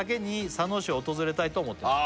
「佐野市を訪れたいと思っています」